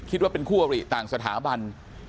คิดว่าเป็นคู่อริต่างสถาบัน